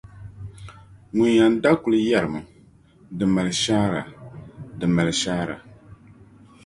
Ŋun yɛn da kul yɛrimi, “Di mali shaara, di mali shaara.”